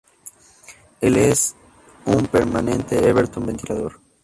Él es un permanente Everton ventilador.